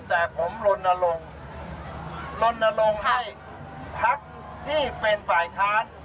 แต่ผมลนลงลนลงให้พักที่เป็นฝ่ายค้าน